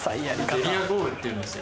ゲリラ豪雨っていうんですよ。